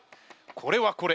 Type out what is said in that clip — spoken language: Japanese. これはこれ。